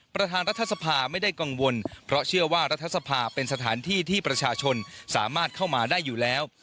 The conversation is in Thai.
ประธานรัฐสภาไม่ได้กังวลเพราะเชื่อว่ารัฐสภาเป็นสถานที่ที่ประชาชนสามารถเข้ามาได้อยู่แล้ว